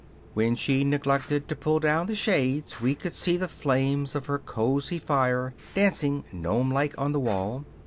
When she neglected to pull down the shades we could see the flames of her cosy fire dancing gnomelike on the wall.